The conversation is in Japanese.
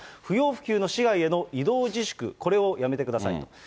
不要不急の市街への移動自粛、これをやめてくださいと。